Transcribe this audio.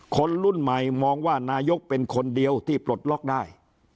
คนรุ่นใหม่มองว่านายกเป็นคนเดียวที่ปลดล็อกได้